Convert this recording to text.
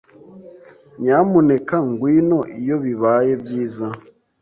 Nyamuneka ngwino iyo bibaye byiza.